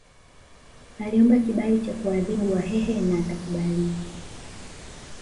Aliomba kibali cha kuwaadhibu Wahehe na akakubaliwa